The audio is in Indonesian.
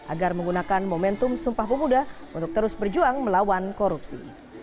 agar menggunakan momentum sumpah pemuda untuk terus berjuang melawan korupsi